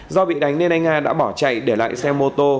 do bị đánh nên anh nga đã bỏ chạy để lại xe mô tô